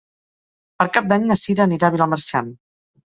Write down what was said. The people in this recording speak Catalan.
Per Cap d'Any na Sira anirà a Vilamarxant.